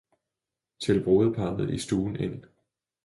til brudeparret i stuen ind.